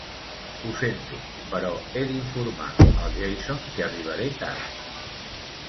Ho sento, però he d'informar el Jason que arribaré tard.